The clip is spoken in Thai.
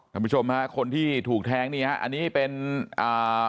ท่านผู้ชมฮะคนที่ถูกแทงนี่ฮะอันนี้เป็นอ่า